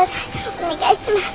お願いします。